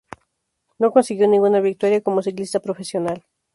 No consiguió ninguna victoria como ciclista profesional.